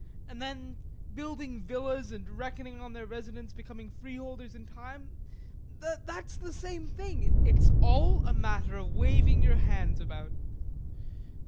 And then, building villas and reckoning on their residents becoming freeholders in time that's the same thing; it's all a matter of waving your hands about....